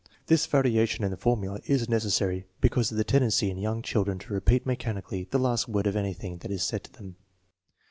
*' This variation in the formula is necessary because of the tendency in young children to repeat mechanically the last word of anything that is said to them.